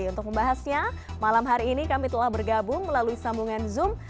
untuk membahasnya malam hari ini kami telah bergabung melalui sambungan zoom